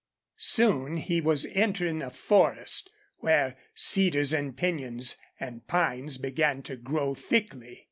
Soon he was entering a forest where cedars and pinyons and pines began to grow thickly.